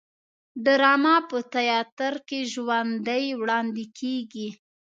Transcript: ډرامه په تیاتر کې ژوندی وړاندې کیږي